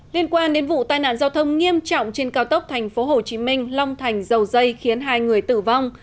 liên quan đến vụ tai nạn giao thông nghiêm trọng trên cao tốc thành phố hồ chí minh long thành dầu dây khiến hai người tử vong